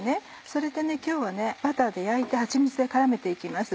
それで今日はバターで焼いてはちみつで絡めて行きます。